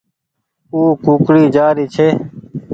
او ڪوڪڙي جآري ڇي